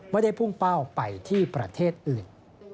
ไม่ได้พุ่งเป้าไปที่ประเทศอื่น